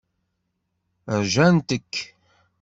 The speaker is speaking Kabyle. Rjant-k.